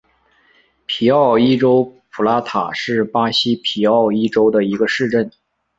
皮奥伊州普拉塔是巴西皮奥伊州的一个市镇。